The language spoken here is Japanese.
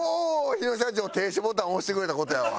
日野社長停止ボタン押してくれた事やわ。